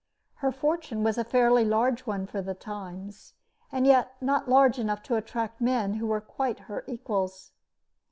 Her fortune was a fairly large one for the times, and yet not large enough to attract men who were quite her equals.